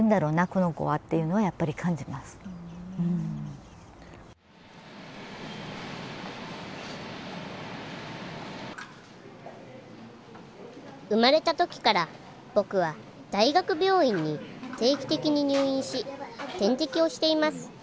この子はっていうのはやっぱり感じます生まれた時から僕は大学病院に定期的に入院し点滴をしています